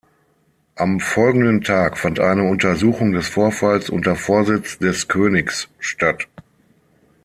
Am folgenden Tag fand eine Untersuchung des Vorfalls unter Vorsitz des Königs statt.